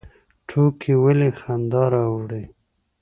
ټوکې ولې خندا راوړي؟